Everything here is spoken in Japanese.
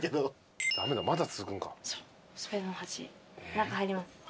中入ります。